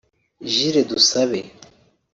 Jules Dusabe